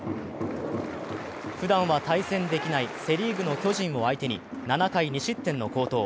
ふだんは対戦できないセ・リーグの巨人を相手に７回２失点の好投。